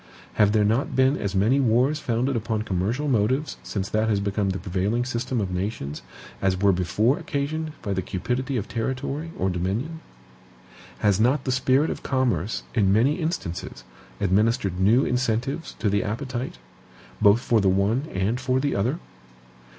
Have there not been as many wars founded upon commercial motives since that has become the prevailing system of nations, as were before occasioned by the cupidity of territory or dominion? Has not the spirit of commerce, in many instances, administered new incentives to the appetite, both for the one and for the other?